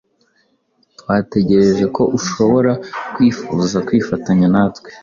Twatekereje ko ushobora kwifuza kwifatanya natwe.